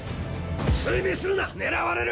追尾するな狙われる！